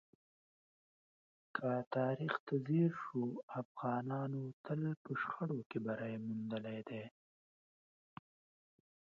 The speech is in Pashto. که تاریخ ته ځیر شو، افغانانو تل په شخړو کې بری موندلی دی.